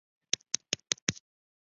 缺铜会导致贫血。